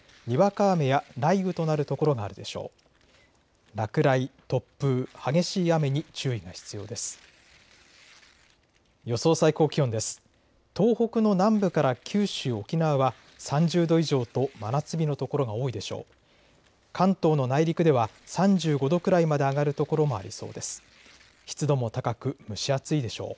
東北の南部から九州、沖縄は３０度以上と真夏日の所が多いでしょう。